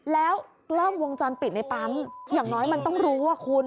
แล้วกล้องวงจรปิดในปั๊มอย่างน้อยมันต้องรู้ว่าคุณ